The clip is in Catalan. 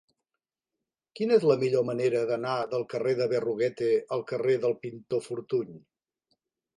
Quina és la millor manera d'anar del carrer de Berruguete al carrer del Pintor Fortuny?